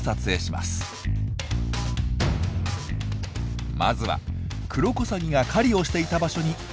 まずはクロコサギが狩りをしていた場所にカメラを設置します。